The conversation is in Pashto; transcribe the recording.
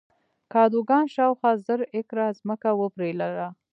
کادوګان شاوخوا زر ایکره ځمکه وپېرله.